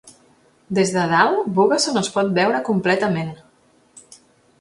Des de dalt, Bugasong es pot veure completament.